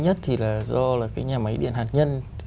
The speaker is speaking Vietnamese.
gần đây nhất thì là do là cái nhà máy điện hạt nhân